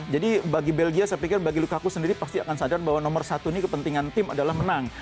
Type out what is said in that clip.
jadi bagi belgia saya pikir bagi lukaku sendiri pasti akan sadar bahwa nomor satu ini kepentingan tim adalah menang